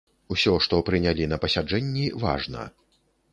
Усё, што прынялі на пасяджэнні, важна.